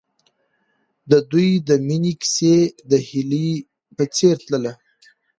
د دوی د مینې کیسه د هیلې په څېر تلله.